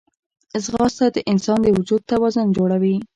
ځغاسته د انسان د وجود توازن جوړوي